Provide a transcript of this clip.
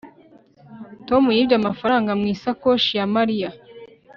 tom yibye amafaranga mu isakoshi ya mariya